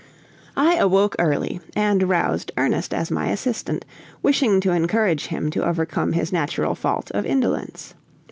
I awoke early, and roused Ernest as my assistant, wishing to encourage him to overcome his natural fault of indolence.